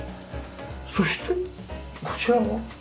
そしてこちらは？